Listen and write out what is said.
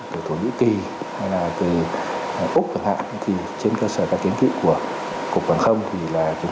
từ thổ nhĩ kỳ hay là từ úc chẳng hạn thì trên cơ sở các kiến thị của cục hàng không thì là chúng